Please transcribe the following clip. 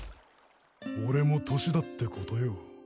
俺も年だってことよ。